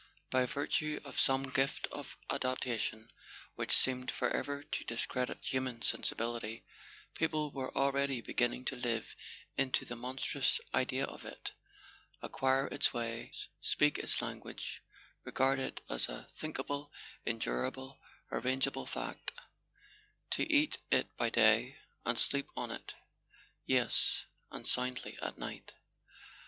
1 By virtue of some gift of adaptation which seemed forever to discredit human sensibility, people were already beginning to live into the monstrous idea of it, acquire its ways, speak its language, regard it as a thinkable, endurable, arrangeable fact; to eat it by day, and sleep on it—yes, and soundly at night.